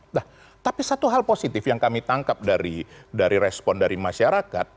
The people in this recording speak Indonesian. nah tapi satu hal positif yang kami tangkap dari respon dari masyarakat